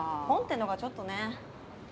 本ってのがちょっとね。